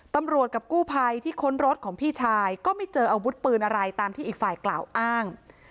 กับกู้ภัยที่ค้นรถของพี่ชายก็ไม่เจออาวุธปืนอะไรตามที่อีกฝ่ายกล่าวอ้าง